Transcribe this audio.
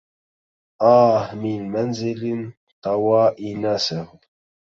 آه من منزل طوى إيناسه